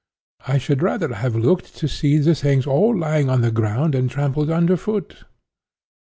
I should rather have looked to see the things all lying on the ground and trampled under foot.